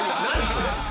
それ。